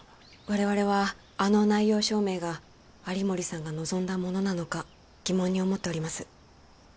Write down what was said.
我々はあの内容証明が有森さんが望んだものなのか疑問に思っております